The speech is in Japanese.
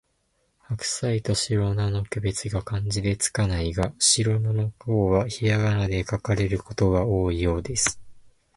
ハクサイとシロナの区別が漢字で付かないが、シロナの方はひらがなで書かれることが多いようです